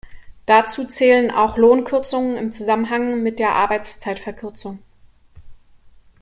Dazu zählen auch Lohnkürzungen im Zusammenhang mit der Arbeitszeitverkürzung.